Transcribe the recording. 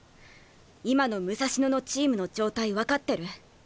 今の武蔵野のチームの状態分かってる？